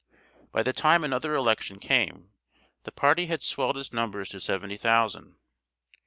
By the time another election came, the party had swelled its numbers to seventy thousand.